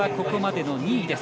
ここまでの２位。